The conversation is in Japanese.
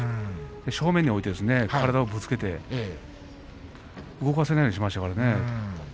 正面において体をぶつけて動かせないようにしましたからね。